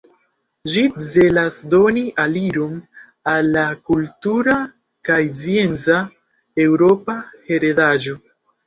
Ĝi celas doni aliron al la kultura kaj scienca eŭropa heredaĵo.